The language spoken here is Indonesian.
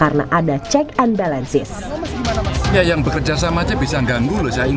orang orang yang mau nonton di pinggir jalan silahkan untuk korban